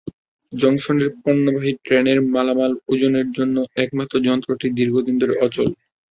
জংশনের পণ্যবাহী ট্রেনের মালামাল ওজনের জন্য একমাত্র যন্ত্রটি দীর্ঘদিন ধরে অচল।